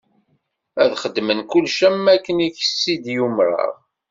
Ad xedmen kullec am wakken i k-t-id-umṛeɣ.